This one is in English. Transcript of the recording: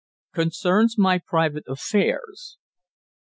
CONCERNS MY PRIVATE AFFAIRS.